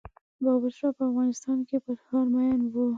بابر شاه په افغانستان کې پر ښار مین و.